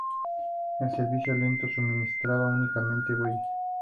El servicio lento suministraba únicamente bueyes.